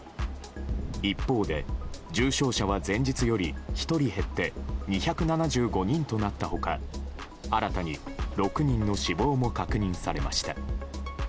一方で重症者は前日より１人減って２７５人となった他新たに６人の死亡も確認されました。